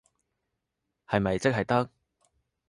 係咪即係得？